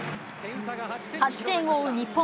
８点を追う日本。